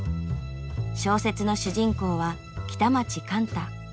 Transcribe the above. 小説の主人公は北町貫多。